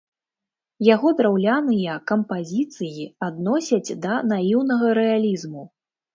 Яго драўляныя кампазіцыі адносяць да наіўнага рэалізму.